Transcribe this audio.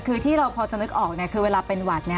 คือที่เราพอจะนึกออกคือเวลาเป็นหวัด